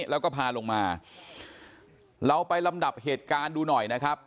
แล้วก็พาลงมาเราไปลำดับเหตุการณ์ดูหน่อยนะครับ